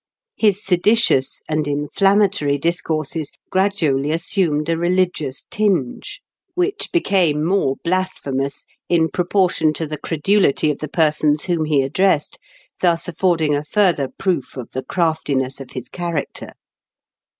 His seditious and inflammatory discourses gradually assumed a religious tinge, which THOM'8 FOLLOWERS. 145 became more blasphemous in proportion to the credulity of the persons whom he addressed, thus aflfbrding a further proof of the craftiness of his character.